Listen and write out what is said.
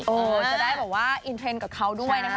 จะได้แบบว่าอินเทรนด์กับเขาด้วยนะคะ